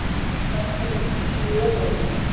ზაფხულობით ხშირია გვალვა.